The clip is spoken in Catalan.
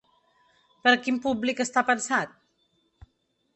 Per a quin públic està pensat?